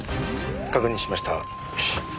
確認しました。